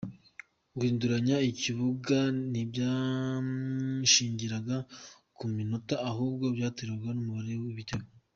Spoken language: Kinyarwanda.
Guhinduranya ikibuga ntibyashingiraga ku minota, ahubwo byaterwaga n’umubare w’ibitego.